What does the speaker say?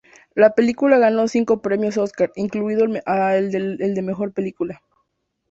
La película ganó cinco premios Óscar, incluido el de mejor película.